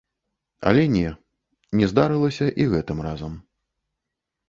Але не, не здарылася і гэтым разам.